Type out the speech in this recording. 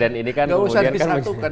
enggak usah disatukan